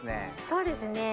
そうですね。